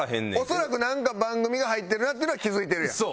恐らくなんか番組が入ってるなっていうのは気付いてるやん。